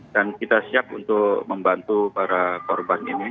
dan kita siap untuk membantu para korban ini